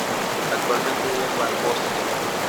Actualmente vive en Varsovia.